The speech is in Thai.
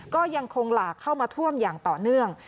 ก็ยังคงหลากเข้ามาท่วมอย่างต่อเนื่อง